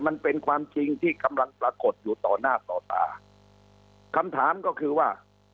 มันเป็นความจริงที่กำลังปรากฏอยู่ต่อหน้าต่อตาคำถามก็คือว่า